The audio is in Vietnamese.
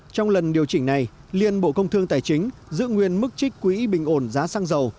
trong lần điều chỉnh này liên bộ công thương tài chính giữ nguyên mức trích quỹ bình ổn giá xăng dầu